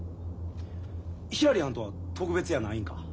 ひらりはんとは特別やないんか？